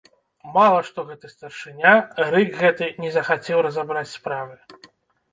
Мала што гэты старшыня, рык гэты, не захацеў разабраць справы.